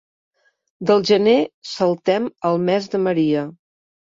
Del gener saltem al mes de Maria.